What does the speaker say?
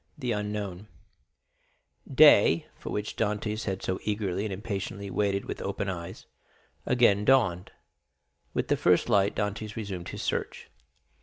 The Unknown Day, for which Dantès had so eagerly and impatiently waited with open eyes, again dawned. With the first light Dantès resumed his search.